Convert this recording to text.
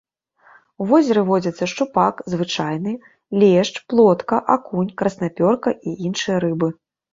У возеры водзяцца шчупак звычайны, лешч, плотка, акунь, краснапёрка і іншыя рыбы.